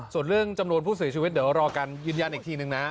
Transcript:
ส่วนเรื่องจำนวนผู้เสียชีวิตเดี๋ยวรอกันยืนยันอีกทีนึงนะ